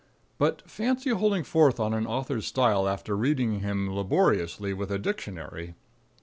But fancy holding forth on an author's style after reading him laboriously with a dictionary!